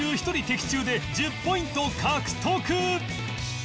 的中で１０ポイント獲得！